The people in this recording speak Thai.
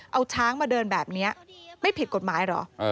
เอาช้างมาเดินแบบนี้ไม่ผิดกฎหมายเหรอ